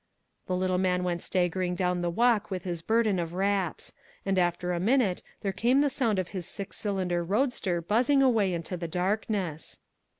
The little man went staggering down the walk with his burden of wraps; and after a minute there came the sound of his six cylinder roadster buzzing away into the darkness.